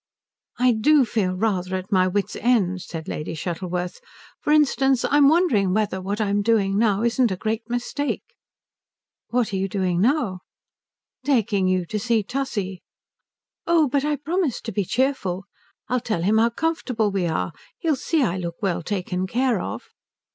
"I do feel rather at my wits' end," said Lady Shuttleworth. "For instance, I'm wondering whether what I'm doing now isn't a great mistake." "What you are doing now?" "Taking you to see Tussie." "Oh but I promise to be cheerful. I'll tell him how comfortable we are. He'll see I look well taken care of."